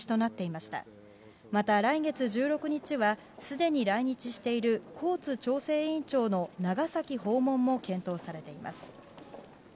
また、来月１６日はすでに来日しているコーツ調整委員長の長崎訪問も検討されています。